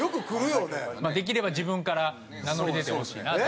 できれば自分から名乗り出てほしいなと。